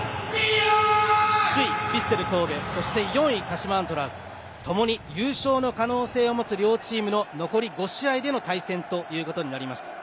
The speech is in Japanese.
首位・ヴィッセル神戸４位・鹿島アントラーズともに優勝の可能性を持つ両チームの残り５試合での対戦となります。